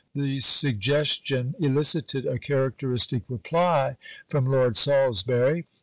The suggestion elicited a characteristic reply from Lord Salisbury.